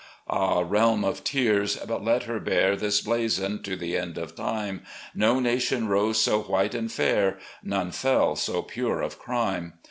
"Ah, realm of tears !— but let her bear This blazon to the end of time: No nation rose so white and fair. None fell so pure of crime.